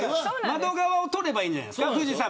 窓側を取ればいいんじゃないですか。